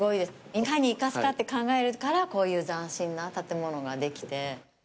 いかに生かすかって考えるから、こういう斬新な建物ができて。